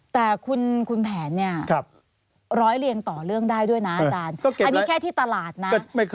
แต่คุณแผนเนี่ยร้อยเรียงต่อเรื่องได้ด้วยนะอาจารย์อันนี้แค่ที่ตลาดนะ